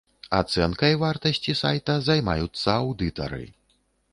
Ацэнкай вартасці сайта займаюцца аўдытары.